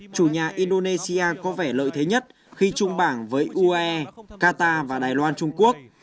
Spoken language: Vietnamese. chủ nhà indonesia có vẻ lợi thế nhất khi trung bảng với uae qatar và đài loan trung quốc